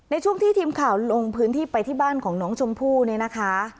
ในช่วงที่ทีมข่าวลงพื้นที่ไปที่บ้านของน้องชมพู่เนี่ยนะคะ